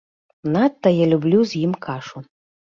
Надта я люблю з ім кашу.